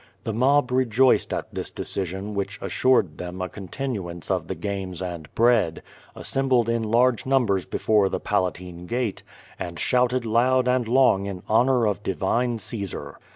The mob rejoiced at this decision which assured them a continuance of the games and bread, assembled in large numbers before the Palatine gate, and shouted loud and long in honor of divine Caesar.